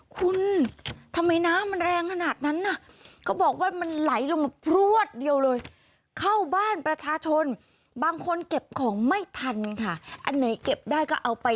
คุณทำไมน้ำมันแรงขนาดนั้นน่ะ